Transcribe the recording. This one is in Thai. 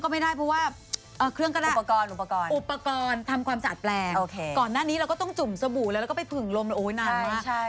ก่อนหน้านี้เราก็ต้องจุ่มสบู่แล้วก็ไปผึ่งลมเลยโอ้ยนานมา